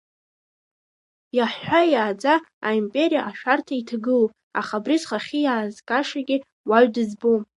Иаҳҳәа-иааӡа аимпериа ашәарҭа иҭагылоуп, аха абри зхахьы иаазгашагьы уаҩ дызбом!